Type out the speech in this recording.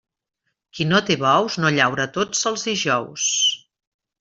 Qui no té bous, no llaura tots els dijous.